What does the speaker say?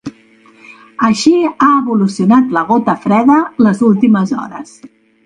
Així ha evolucionat la gota freda les últimes hores.